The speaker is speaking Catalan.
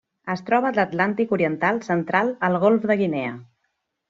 Es troba a l'Atlàntic oriental central: el golf de Guinea.